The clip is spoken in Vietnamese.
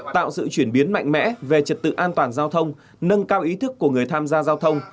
tạo sự chuyển biến mạnh mẽ về trật tự an toàn giao thông nâng cao ý thức của người tham gia giao thông